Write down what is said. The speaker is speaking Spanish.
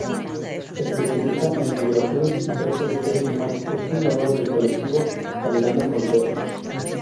Especialista en migraciones y trata de seres humanos es fundadora del colectivo Caminando Fronteras.